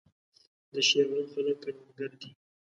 د شېوان خلک کروندګر دي